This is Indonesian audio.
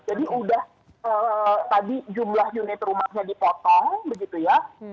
jadi sudah tadi jumlah unit rumahnya dipotong